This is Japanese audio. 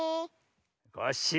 コッシー。